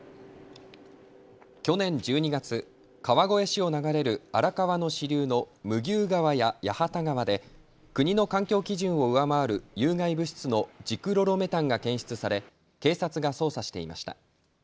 去年１２月、川越市を流れる荒川の支流の麦生川や八幡川で国の環境基準を上回る有害物質のジクロロメタンが検出され警察が捜査していました。